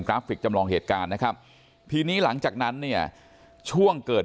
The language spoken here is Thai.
ราฟิกจำลองเหตุการณ์นะครับทีนี้หลังจากนั้นเนี่ยช่วงเกิด